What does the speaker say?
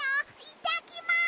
いってきます！